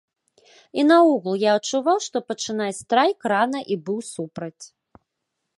І наогул, я адчуваў, што пачынаць страйк рана і быў супраць.